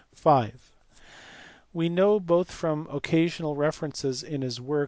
(v) We know, both from occasional references in his works ARCHIMEDES.